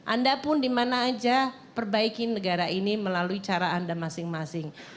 anda pun dimana aja perbaiki negara ini melalui cara anda masing masing